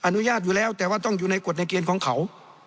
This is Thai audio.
อนุญาตอยู่แล้วแต่ว่าต้องอยู่ในกฎในเกณฑ์ของเขา